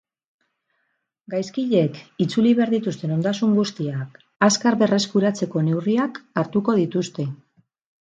Gaizkileek itzuli behar dituzten ondasun guztiak azkar berreskuratzeko neurriak hartuko dituzte.